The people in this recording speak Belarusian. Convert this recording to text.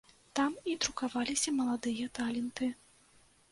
Там і друкаваліся маладыя таленты.